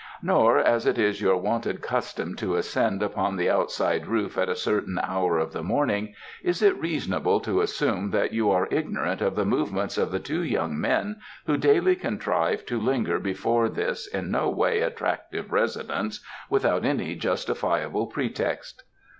Nor, as it is your wonted custom to ascend upon the outside roof at a certain hour of the morning, is it reasonable to assume that you are ignorant of the movements of the two young men who daily contrive to linger before this in no way attractive residence without any justifiable pretext."